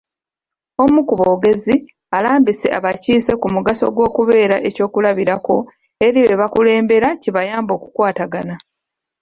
Omu ku boogezi, alambise abakiise ku mugaso gw'okubeera eky'okulabirako eri bebakulembera kibayambe okukwatagana.